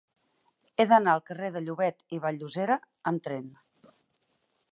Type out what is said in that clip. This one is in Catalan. He d'anar al carrer de Llobet i Vall-llosera amb tren.